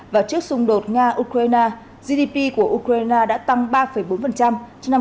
và trước xung đột nga ukraine gdp của ukraine đã tăng ba bốn trong năm hai nghìn hai mươi